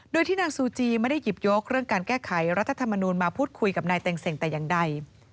โดยที่นางซูจีไม่ได้หยิบยกเรื่องการแก้ไขรัฐธรรมนูลมาพูดคุยกับนายเต็งเซ็งแต่อย่างใด